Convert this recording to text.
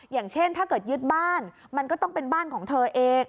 อย่างเช่นถ้าเกิดยึดบ้านมันก็ต้องเป็นบ้านของเธอเอง